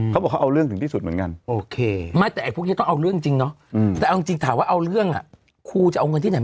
แต่ก็ต้องนิดนึงอ่ะ